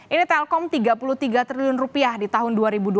ini telkom tiga puluh tiga triliun rupiah di tahun dua ribu dua puluh